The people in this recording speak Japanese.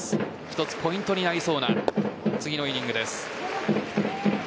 一つポイントになりそうな次のイニングです。